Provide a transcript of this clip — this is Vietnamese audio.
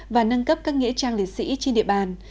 và nâng cấp các nghĩa trang liệt sĩ trên địa bàn